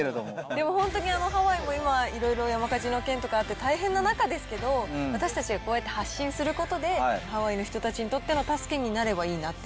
でも本当に今、ハワイも山火事の件とかあって大変な中ですけど、私たちがこうやって発信することで、ハワイの人たちにとっての助けになればいいなって。